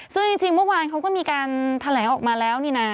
ซึ่งจริงบางวันเขาก็มีการทะแลออกมาแล้วเนี่ยนะ